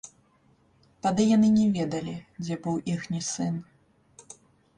Тады яны не ведалі, дзе быў іхні сын.